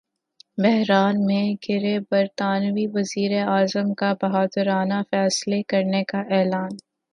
بحران میں گِھرے برطانوی وزیراعظم کا ’بہادرانہ فیصلے‘ کرنے کا اعلان